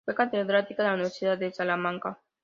Fue catedrática de la Universidad de Salamanca.